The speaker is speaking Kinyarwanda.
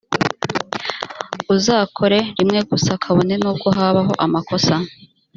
azakore rimwe gusa kabone n’ubwo habaho amakosa